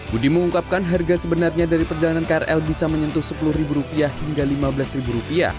budi mengungkapkan harga sebenarnya dari perjalanan krl bisa menyentuh rp sepuluh hingga rp lima belas